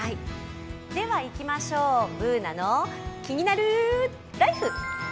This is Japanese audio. ではいきましょう、「ＢｏｏｎａのキニナルＬＩＦＥ」。